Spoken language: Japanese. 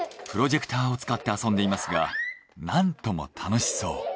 プロジェクターを使って遊んでいますがなんとも楽しそう。